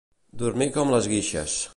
Dormir com les guixes.